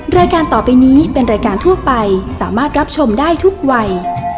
รายการต่อไปนี้เป็นรายการทั่วไปสามารถรับชมได้ทุกวัย